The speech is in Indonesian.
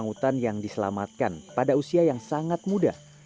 hutan yang diselamatkan pada usia yang sangat muda